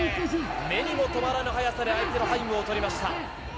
目にも留まらぬ速さで相手の背後を取りました。